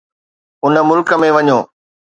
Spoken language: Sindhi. ان ملڪ ۾ وڃو.